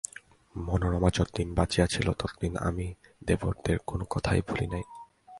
মনোরমা যতদিন বাঁচিয়া ছিল ততদিন আমি দেবরদের কোনো কথায় ভুলি নাই।